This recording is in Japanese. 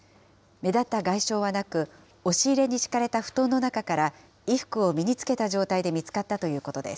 目立った外傷はなく、押し入れに敷かれた布団の中から、衣服を身につけた状態で見つかったということです。